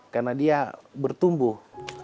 karena dia bertumbuh